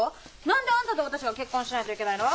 何であんたと私が結婚しないといけないの。